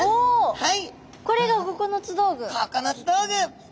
はい！